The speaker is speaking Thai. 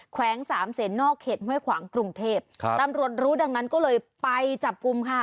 แวงสามเศษนอกเขตห้วยขวางกรุงเทพครับตำรวจรู้ดังนั้นก็เลยไปจับกลุ่มค่ะ